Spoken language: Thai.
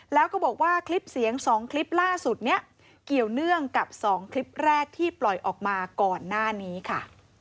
แล้วก็บอกว่าคลิปเสียง๒คลิปล่าสุดเนี่ยเกี่ยวเนื่องกับ๒คลิปแรกที่ปล่อยออกมาก่อนหน้านี้ค่ะ